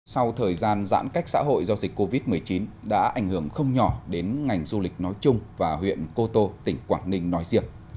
sau thời gian giãn cách xã hội do dịch covid một mươi chín đã ảnh hưởng không nhỏ đến ngành du lịch nói chung và huyện cô tô tỉnh quảng ninh nói riêng